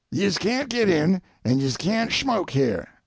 "Yez can't get in and yez can't shmoke here.